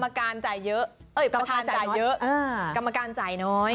ประธานจ่ายเยอะกรรมการจ่ายน้อย